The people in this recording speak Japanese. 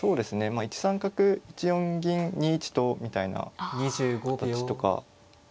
まあ１三角１四銀２一とみたいな形とか。